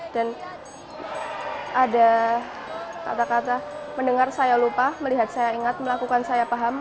dan ada kata kata mendengar saya lupa melihat saya ingat melakukan saya paham